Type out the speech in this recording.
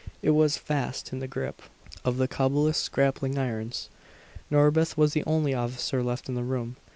It was fast in the grip of the Cobulus's grappling irons! Norbith was the only officer left in the room.